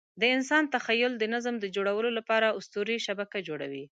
د انسان تخیل د نظم د جوړولو لپاره اسطوري شبکه جوړه کړه.